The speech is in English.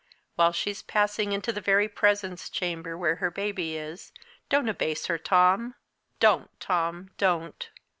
While she's passing into the very presence chamber, where her baby is, don't abase her, Tom. Don't, Tom, don't!"